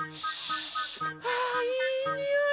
あいいにおい。